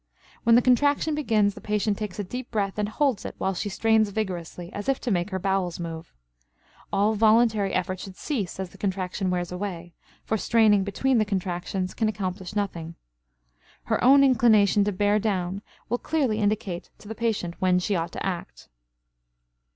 When the contraction begins the patient takes a deep breath and holds it while she strains vigorously, as if to make her bowels move. All voluntary effort should cease as the contraction wears away, for straining between the contractions can accomplish nothing. Her own inclination to "bear down" will clearly indicate to the patient when she ought to act.